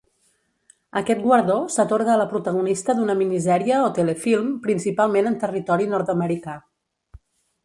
Aquest guardó s'atorga a la protagonista d'una minisèrie o telefilm, principalment en territori nord-americà.